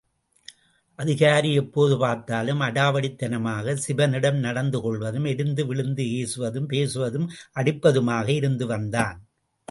அதிகாரி எப்போது பார்த்தாலும் அடாவடித்தனமாக சிபனிடம் நடந்து கொள்வதும், எரிந்து விழுந்து ஏசுவதும் பேசுவதும், அடிப்பதுமாக இருந்து வருவான்.